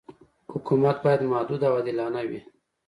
حکومت باید محدود او عادلانه وي.